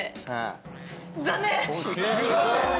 残念！